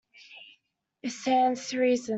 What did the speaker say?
It stands to reason.